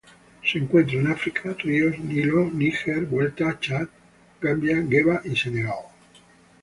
Se encuentran en África: ríos Nilo, Níger, Vuelta, Chad, Gambia, Geba y Senegal.